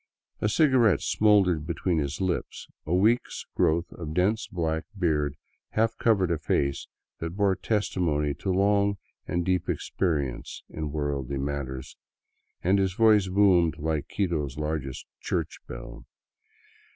A cigarette smouldered between his lips, a week's growth of dense black beard half covered a face that bore testimony to long and deep experience in worldly matters, and his voice boomed like Quito's largest church bell.